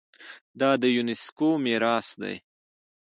دا د یونیسکو میراث دی.